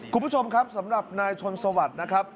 คุณผู้ชมครับสำหรับนายชนสวัสดิ์นะครับ